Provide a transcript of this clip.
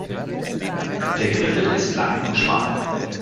Der Griffel ist lang und schmal.